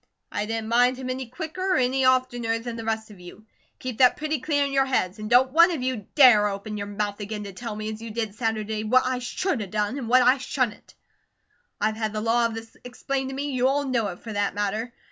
I didn't mind him any quicker or any oftener than the rest of you; keep that pretty clear in your heads, and don't one of you dare open your mouth again to tell me, as you did Saturday, what I SHOULD a done, and what I SHOULDN'T. I've had the law of this explained to me; you all know it for that matter.